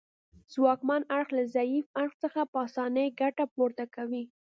ځواکمن اړخ له ضعیف اړخ څخه په اسانۍ ګټه پورته کوي